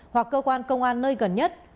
hoặc cơ quan công an nơi gần nhất